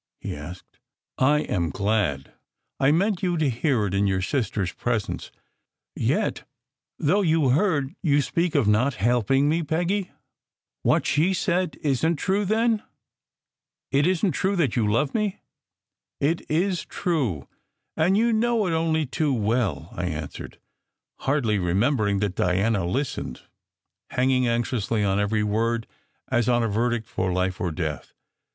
he asked. "I am glad. I meant you to hear it in your sister s presence. Yet, though you heard, you speak of not helping me, Peggy? What she said isn t true, then? It isn t true that you love me?" "It is true, and you know it only too well," I answered, hardly remembering that Diana listened, hanging anxiously on every word as on a verdict for life or death.